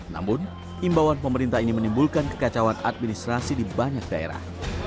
namun imbauan pemerintah ini menimbulkan kekacauan administrasi di banyak daerah